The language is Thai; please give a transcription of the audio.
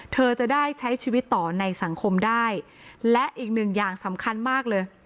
เธอจะได้ใช้ชีวิตต่อในสังคมได้และอีกหนึ่งอย่างสำคัญมากเลย